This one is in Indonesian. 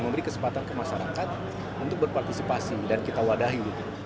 memberi kesempatan ke masyarakat untuk berpartisipasi dan kita wadahi